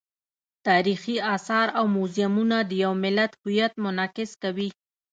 تاریخي آثار او موزیمونه د یو ملت هویت منعکس کوي.